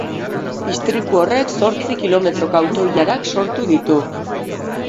Istripu horrek zortzi kilometroko auto-ilarak sortu ditu.